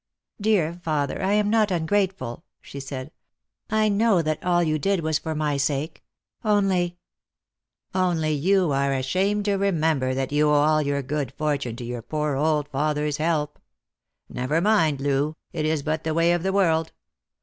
" Dear father, I am not ungrateful," she said ;" I know that all you did was done for my sake. Only "" Only, you are ashamed to remember that you owe all your good fortune to your poor old father's help. Never mind, Loo„ it is but the way of the world.